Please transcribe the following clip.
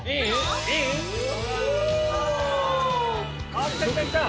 あっきたきたきた！